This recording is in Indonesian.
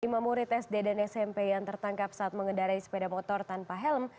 lima murid sd dan smp yang tertangkap saat mengendarai sepeda motor tanpa helm